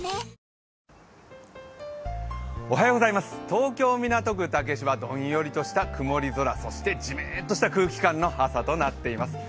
東京・港区竹芝はどんよりとした曇り空、そして、じめっとした空気感の朝となっています。